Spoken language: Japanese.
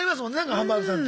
ハンバーグさんって。